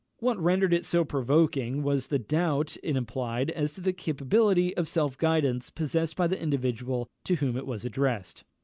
What rendered it so provoking was the doubt it implied as to the capability of self guidance possessed by the individual to whom it was addressed.